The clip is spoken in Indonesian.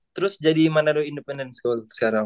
terus jadi manado independen school sekarang